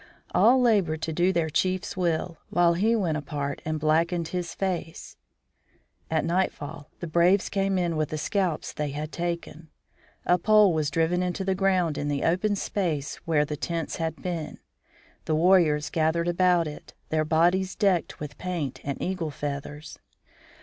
All labored to do their chief's will, while he went apart and blackened his face. At nightfall the braves came in with the scalps they had taken. A pole was driven into the ground in the open space where the tents had been. The warriors gathered about it, their bodies decked with paint and eagle feathers.